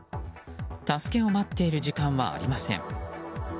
助けを待っている時間はありません。